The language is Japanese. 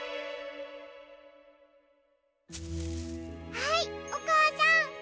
はいおかあさん。